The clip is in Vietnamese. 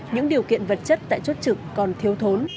những điều kiện vật chất tại chốt trực còn thiếu thốn